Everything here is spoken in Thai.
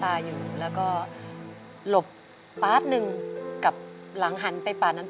เปลี่ยนเพลงเพลงเก่งของคุณและข้ามผิดได้๑คำ